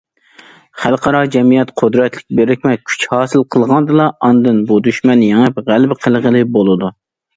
خەلقئارا جەمئىيەت قۇدرەتلىك بىرىكمە كۈچ ھاسىل قىلغاندىلا، ئاندىن بۇ دۈشمەننى يېڭىپ غەلىبە قىلغىلى بولىدۇ.